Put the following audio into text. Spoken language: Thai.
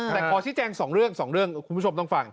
แต่ขอชิดแจ้ง๒เรื่องคุณผู้ชมต้องฟัง